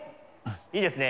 いいですね。